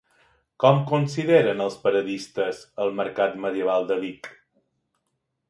Com consideren els paradistes el Mercat Medieval de Vic?